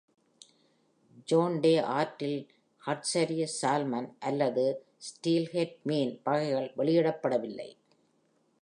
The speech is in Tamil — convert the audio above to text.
ஜான் டே ஆற்றில் ஹேட்சரி சால்மன் அல்லது ஸ்டீல்ஹெட் மீன் வகைகள் வெளியிடப்படவில்லை.